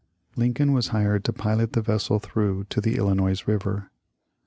Lincoln was hired to pilot the vessel through to the Illinois river.